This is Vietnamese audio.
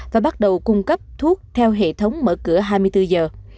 và bắt đầu cung cấp thuốc theo hệ thống mở cửa hai mươi bốn giờ